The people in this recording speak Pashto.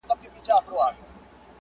ماته اسانه سو د لوی خدای په عطا مړ سوم